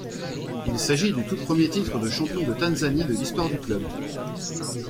Il s’agit du tout premier titre de champion de Tanzanie de l’histoire du club.